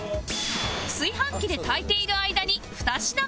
炊飯器で炊いている間に２品目へ